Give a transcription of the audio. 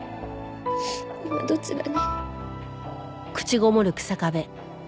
今どちらに？